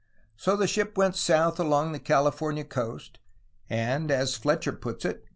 So the ship went south along the California coast, and, as Fletcher puts it.